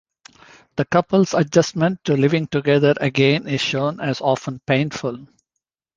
The couple's adjustment to living together again is shown as often painful.